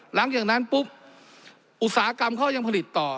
หลังจากนั้นปุ๊บอุตสาหกรรมเขายังผลิตต่อ